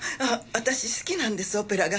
私好きなんですオペラが。